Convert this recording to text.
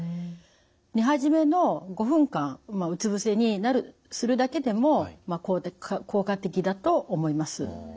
寝始めの５分間うつ伏せにするだけでも効果的だと思います。